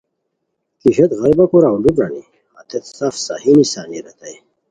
کی ہیت غائبہ کوراؤ لو پرانی ہتیت سف صحیح نیسانی ریتائے